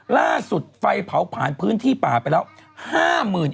ล่าสุดไฟเผาผ่านพื้นที่ป่าไปแล้ว